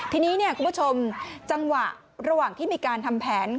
ทีนี้คุณผู้ชมจังหวะระหว่างที่มีการทำแผน